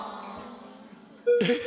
えっ？